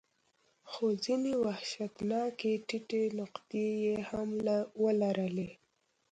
خو ځینې وحشتناکې ټیټې نقطې یې هم ولرلې.